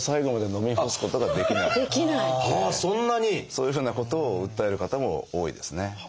そういうふうなことを訴える方も多いですね。